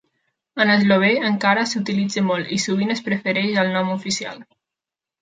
En eslovè encara s'utilitza molt i sovint es prefereix al nom oficial.